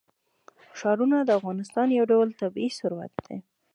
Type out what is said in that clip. ښارونه د افغانستان یو ډول طبعي ثروت دی.